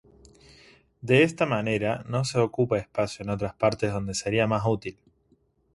De esta manera, no se ocupa espacio en otras partes donde sería más útil.